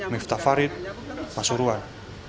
miftah farid pasuruan